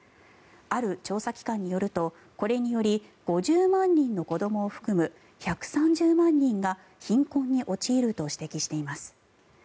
ある調査機関によるとこれにより５０万人の子どもを含む１３０万人が貧困に陥ると指摘しています。